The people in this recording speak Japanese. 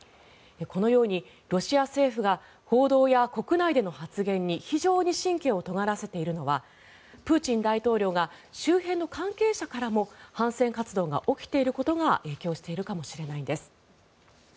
このようにロシア政府が報道や国内での発言に非常に神経をとがらせているのはプーチン大統領の周辺の関係者からも反戦活動が起きていることが影響しているかもしれないんです。